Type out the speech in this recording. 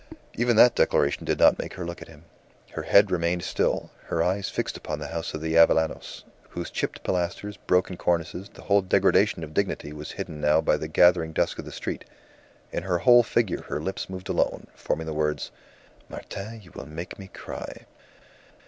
Even that declaration did not make her look at him. Her head remained still, her eyes fixed upon the house of the Avellanos, whose chipped pilasters, broken cornices, the whole degradation of dignity was hidden now by the gathering dusk of the street. In her whole figure her lips alone moved, forming the words "Martin, you will make me cry."